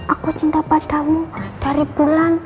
aku cinta padamu dari bulan